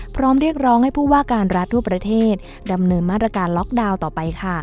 พร้อมเรียกร้องให้ผู้ว่าการรัฐทั่วประเทศดำเนินมาตรการล็อกดาวน์ต่อไปค่ะ